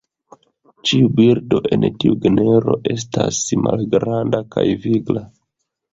Ĉiu birdo en tiu genro estas malgranda kaj vigla.